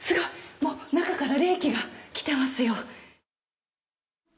もう中から冷気が来てますよ。